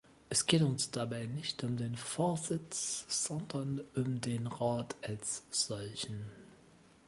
Es geht uns dabei nicht um den Vorsitz, sondern um den Rat als solchen.